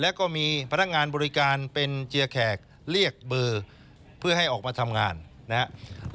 แล้วก็มีพนักงานบริการเป็นเจียแขกเรียกเบอร์เพื่อให้ออกมาทำงานนะครับ